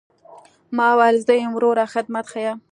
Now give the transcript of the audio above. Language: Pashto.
ما وويل زه يم وروه خدمت ښييه.